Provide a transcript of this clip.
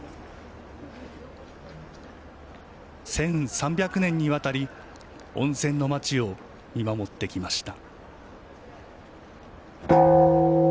１３００年にわたり温泉の町を見守ってきました。